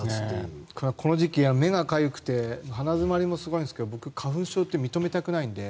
この時期、目がかゆくて鼻詰まりもすごいんですけど僕、花粉症って認めたくないので。